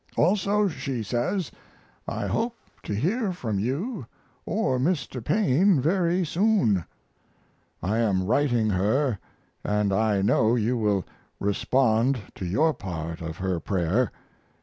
Also she says, "I hope to hear from you or Mr. Paine very soon." I am writing her & I know you will respond to your part of her prayer.